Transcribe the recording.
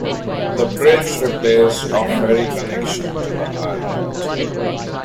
The bridge replaced a ferry connection to the island.